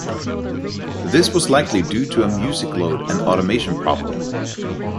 This was likely due to a music load and automation problem.